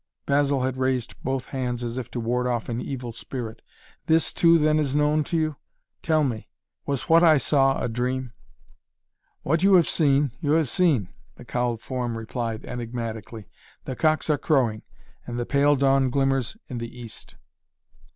Basil had raised both hands as if to ward off an evil spirit. "This, too, then is known to you? Tell me! Was what I saw a dream?" "What you have seen you have seen," the cowled form replied enigmatically. "The cocks are crowing and the pale dawn glimmers in the East."